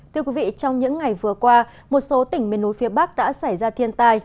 thưa quý vị trong những ngày vừa qua một số tỉnh miền núi phía bắc đã xảy ra thiên tai